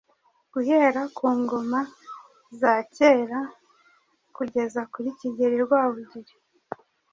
Guhera ku ngoma za kera kugeza kuri Kigeli Rwabugili,